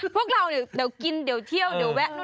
พวกเราเดี๋ยวกินเดี๋ยวเที่ยวเดี๋ยวแวะหน่อย